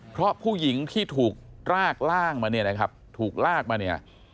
เพราะผู้หญิงที่ถูกลากร่างมาเนี่ยนะครับถูกลากมาเนี่ย